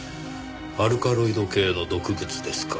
アルカロイド系の毒物ですか。